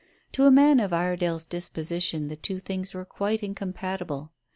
To a man of Iredale's disposition the two things were quite incompatible.